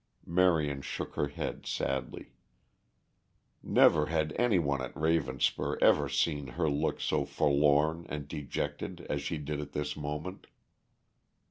Marion shook her head sadly. Never had any one at Ravenspur ever seen her look so forlorn and dejected as she did at this moment.